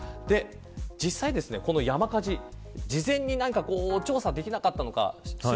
実際、この山火事事前に調査できなかったのか。